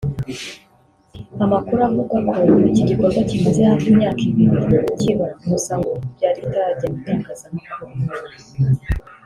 Amakuru avugwa ko iki gikorwa kimaze hafi imyaka ibiri kiba gusa ngo byari bitarajya mu itangazamakuru